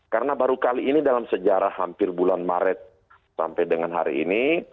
karena baru kali ini dalam sejarah hampir bulan maret sampai dengan hari ini